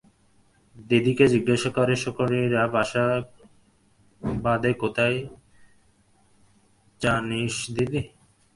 দিদিকে জিজ্ঞাসা করে-শকুনিরা বাসা বঁধে কোথায় জানিস দিদি?